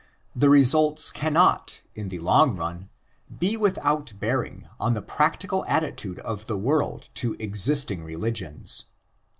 The results cannot, in the long run, be without bearing on the practical attitude of the world to existing religions.